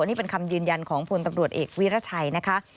นี่เป็นคำยืนยันของพลตำรวจเอกวิรัชัยนะคะ